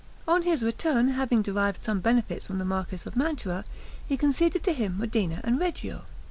On his return, having derived some benefits from the marquis of Mantua, he conceded to him Modena and Reggio.